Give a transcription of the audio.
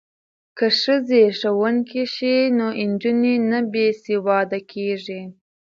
که ښځې ښوونکې شي نو نجونې نه بې سواده کیږي.